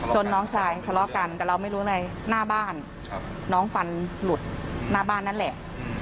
น้องชายทะเลาะกันแต่เราไม่รู้เลยหน้าบ้านน้องฟันหลุดหน้าบ้านนั่นแหละ